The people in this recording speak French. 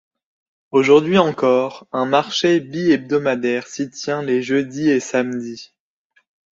Aujourd'hui encore, un marché bi-hebdomadaire s'y tient les jeudis et samedis.